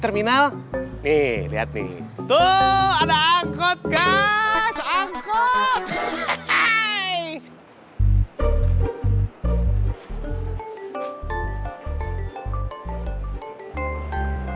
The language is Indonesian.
terminal lihat nih tuh ada angkut guys angkut hai hai